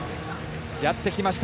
やってきました